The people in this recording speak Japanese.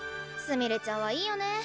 すみれちゃんはいいよね。